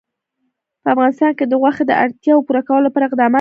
په افغانستان کې د غوښې د اړتیاوو پوره کولو لپاره اقدامات کېږي.